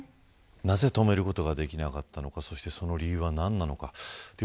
なぜ止めることができなかったのかそしてその理由は何だったのか。